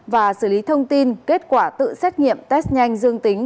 và xử lý thông tin kết quả tự xét nghiệm test nhanh dương tính